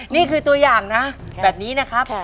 นี่คือตัวอย่างนะแบบนี้นะครับ